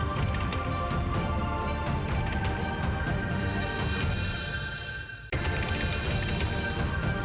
aku juga mau banget